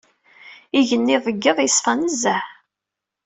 Igenni deg iḍ yeṣfa nezzeh.